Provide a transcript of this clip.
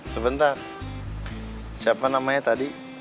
sebentar siapa namanya tadi